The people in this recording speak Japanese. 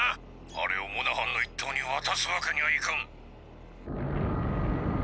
あれをモナハンの一党に渡すわけにはいかん。